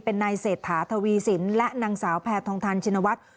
เป็นนายเศรษฐาทวีสินและนางสาวแพทองทันชินวัฒน์